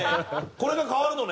これが変わるのね？